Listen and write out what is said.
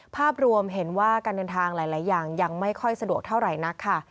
ภาพรวมเห็นว่าการเดินทางหลายอย่างยังไม่ค่อยสะดวกเท่าไหร่นักค่ะ